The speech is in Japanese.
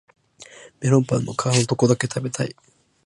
メロンパンの皮のとこだけ食べたい